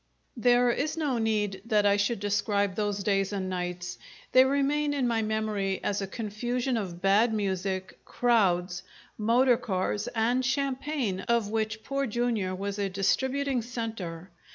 There is no need that I should describe those days and nights. They remain in my memory as a confusion of bad music, crowds, motor cars and champagne of which Poor Jr. was a distributing centre.